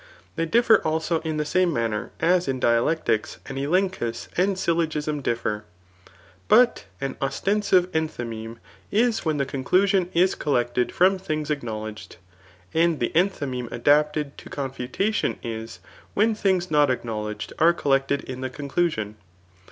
They differ also in the same manner as in dialectics an elenchus and syllogism differ. But an os tensive enthymeme, is when the conclusion is collected £pom thmgs acknowledged ; and the entbymeme adapted to cotkfutation is, when things not acknowledged are col lected in the conclusion.